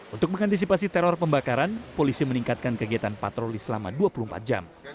untuk mengantisipasi teror pembakaran polisi meningkatkan kegiatan patroli selama dua puluh empat jam